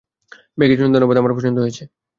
ব্যাগের জন্য ধন্যবাদ, আমার পছন্দ হয়েছে।